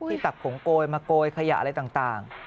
ตักผงโกยมาโกยขยะอะไรต่าง